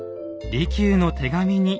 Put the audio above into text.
利休の手紙？